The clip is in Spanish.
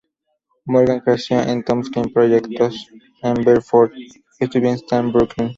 Morgan creció en Tompkins Proyectos en Bedford-Stuyvestan, Brooklyn.